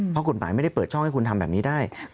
เพราะกฎหมายไม่ได้เปิดช่องให้คุณทำแบบนี้ได้